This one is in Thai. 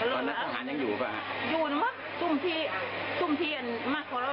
กรุงทางนั้นเลยว่ามันอาบเป็นไปได้โบ้น